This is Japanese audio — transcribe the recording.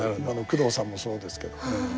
工藤さんもそうですけど。